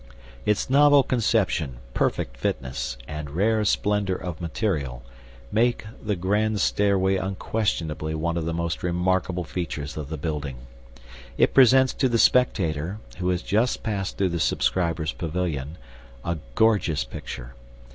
"Its novel conception, perfect fitness, and rare splendor of material, make the grand stairway unquestionably one of the most remarkable features of the building. It presents to the spectator, who has just passed through the subscribers' pavilion, a gorgeous picture.